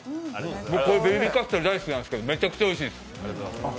僕、ベビーカステラ大好きなんですけどめちゃくちゃおいしいです。